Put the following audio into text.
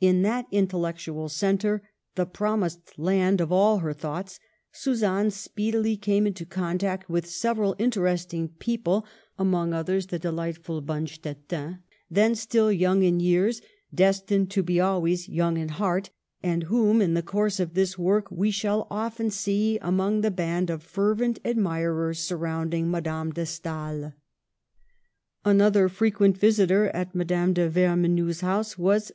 In that intellectual centre — the promised land of all her thoughts — Suzanne speedily came into contact with several interesting people, among others the delightful Bonstetten, then still young in years, destined to be always young in heart, and whom, in the course of this work, we shall often see among the band of fervent admirers surrounding Madame de Stael. Another frequent visitor at Madame de Ver menoux's house was M.